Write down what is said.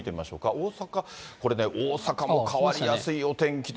大阪、これね、大阪も変わりやすいお天気で。